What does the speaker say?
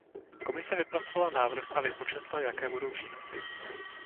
Komise vypracovala návrh a vypočetla, jaké budou přínosy.